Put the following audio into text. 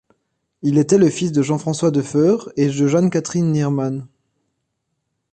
Il était le fils de Jean François de Foere et de Jeanne Catherine Neerman.